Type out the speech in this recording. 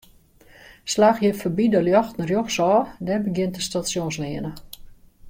Slach hjir foarby de ljochten rjochtsôf, dêr begjint de Stasjonsleane.